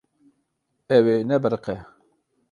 Ew ê nebiriqe.